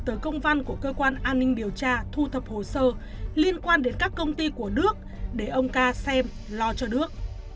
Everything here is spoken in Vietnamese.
từ công văn của cơ quan an ninh điều tra thu thập hồ sơ liên quan đến các công ty của đức để ông ca xem lo cho đức